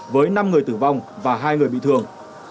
với năm người tử vong và hai người bị thương